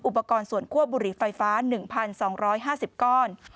อุปกรณ์ส่วนคั่วบุหรี่ไฟฟ้า๑๒๕๐ก้อน